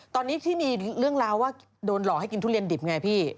ตอนนี้ที่มีเรื่องราวว่าโดนหลอกให้กินทุเรียนดิบไงพี่